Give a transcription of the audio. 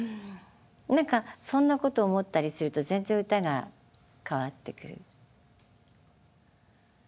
何かそんなことを思ったりすると全然歌が変わってくるみたいなね。